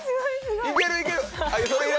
いけるいける！